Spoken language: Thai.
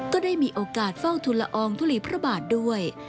ก็ได้มีโอกาสเฝ้าทุลอองทุลีพระบาทด้วย